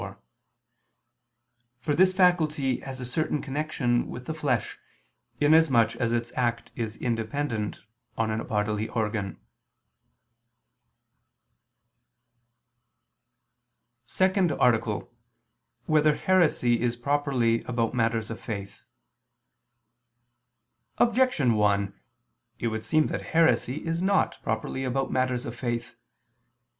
_ iii, 5), for this faculty has a certain connection with the flesh, in as much as its act is independent on a bodily organ. _______________________ SECOND ARTICLE [II II, Q. 11, Art. 2] Whether Heresy Is Properly About Matters of Faith? Objection 1: It would seem that heresy is not properly about matters of faith.